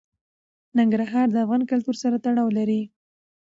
ننګرهار د افغان کلتور سره تړاو لري.